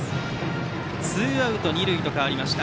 ツーアウト二塁と変わりました。